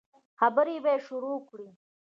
خبرې به يې شروع کړې.